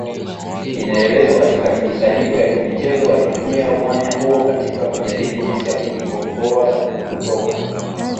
Inaelezwa katika mikusanyiko ya kimichezo walitumia mwanya huo katika kujadili jinsi ya kujikomboa kutoka